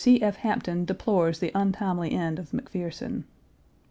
C. F. Hampton deplores the untimely end of McPherson.